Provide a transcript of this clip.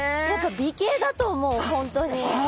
美形だと思う本当に。